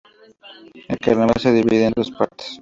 El carnaval se divide en dos partes.